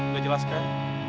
gak jelas kan